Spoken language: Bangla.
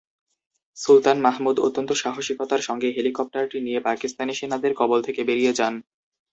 সুলতান মাহমুদ অত্যন্ত সাহসিকতার সঙ্গে হেলিকপ্টারটি নিয়ে পাকিস্তানি সেনাদের কবল থেকে বেরিয়ে যান।